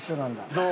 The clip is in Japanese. どう？